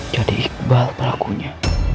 jadi iqbal pelakunya